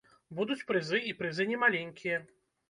Будуць прызы, і прызы немаленькія.